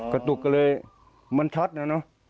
กระตุกก็เลยมันช็อตนะเนอะ